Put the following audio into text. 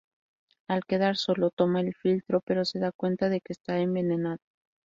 Al quedar solo, toma el filtro, pero se da cuenta de que está envenenado.